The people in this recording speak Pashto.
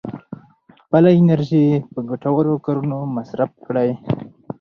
خپله انرژي په ګټورو کارونو مصرف کړئ.